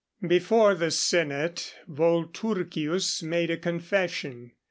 _Before the Senate, Volturcius made a confession.